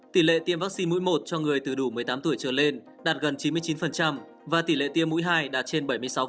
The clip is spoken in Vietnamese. tỷ lệ tiêm vaccine mũi một cho người từ đủ một mươi tám tuổi trở lên đạt gần chín mươi chín và tỷ lệ tiêm mũi hai đạt trên bảy mươi sáu